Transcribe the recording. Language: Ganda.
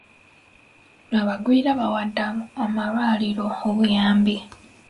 Abagwira bawadde amalwaliro obuyambi.